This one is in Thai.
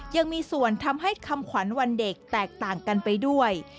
ยังมีส่วนทำให้คำขวัญวันเด็กแตกต่างกันไปด้วย